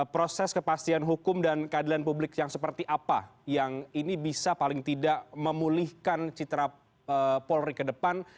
proses kepastian hukum dan keadilan publik yang seperti apa yang ini bisa paling tidak memulihkan citra polri ke depan